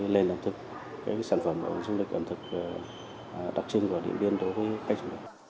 lên ẩm thực sản phẩm du lịch ẩm thực đặc trưng của điện biên đối với khách